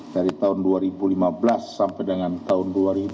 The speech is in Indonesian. dari tahun dua ribu lima belas sampai dengan tahun dua ribu dua